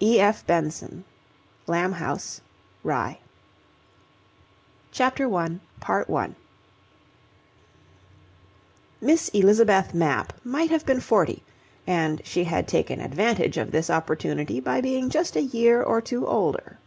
E. F. Benson. Lamb House, Rye. CHAPTER ONE Miss Elizabeth Mapp might have been forty, and she had taken advantage of this opportunity by being just a year or two older.